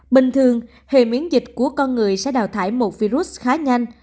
bình thường hệ miễn dịch của con người sẽ đào thải một virus khá nhanh